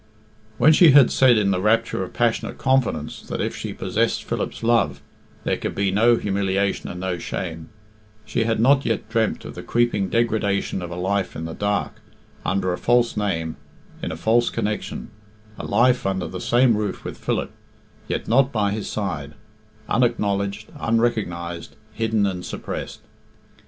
When she had said in the rapture of passionate confidence that if she possessed Philip's love there could be no humiliation and no shame, she had not yet dreamt of the creeping degradation of a life in the dark, under a false name, in a false connection: a life under the same roof with Philip, yet not by his side, unacknowledged, unrecognised, hidden and suppressed.